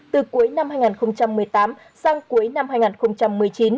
từ cuối năm hai nghìn một mươi tám sang cuối năm hai nghìn một mươi chín